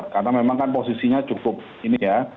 karena memang kan posisinya cukup ini ya